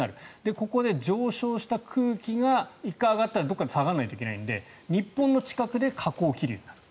ここで上昇した空気が１回上がったら、どこかに下がらないといけないので日本の近くで下降気流になると。